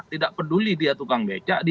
tidak peduli dia tukang becak